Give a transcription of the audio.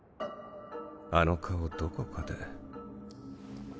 あの顔どこかで。